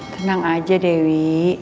tenang aja dewi